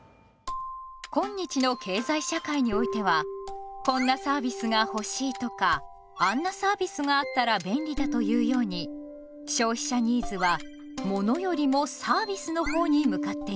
今日の経済社会においてはこんなサービスが欲しいとかあんなサービスがあったら便利だというように消費者ニーズは「もの」よりもサービスの方に向かっています。